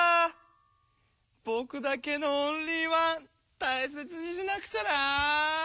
ぼくだけのオンリーワンたいせつにしなくちゃな。